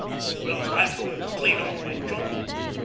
Or else I'm going clean off my chump.